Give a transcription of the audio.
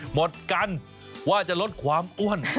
หมดกันว่าจะลดความอ้วน